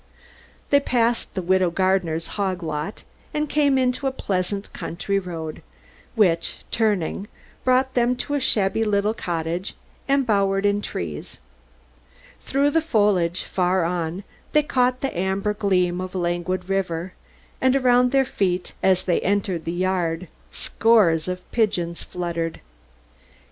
They passed the "Widow Gardiner's hog lot" and came into a pleasant country road, which, turning, brought them to a shabby little cottage, embowered in trees. Through the foliage, farther on, they caught the amber gleam of a languid river; and around their feet, as they entered the yard, scores of pigeons fluttered.